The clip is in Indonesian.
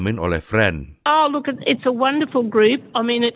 istirahat di sana dengan mereka